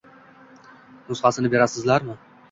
«Nusxasini berasizlarmi?»